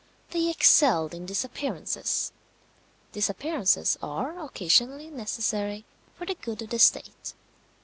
They excelled in disappearances. Disappearances are occasionally necessary for the good of the state.